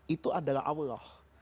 itu adalah allah